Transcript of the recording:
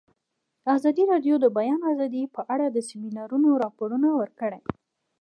ازادي راډیو د د بیان آزادي په اړه د سیمینارونو راپورونه ورکړي.